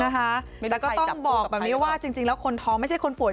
แล้วก็ต้องบอกแบบนี้ว่าจริงแล้วคนท้องไม่ใช่คนป่วย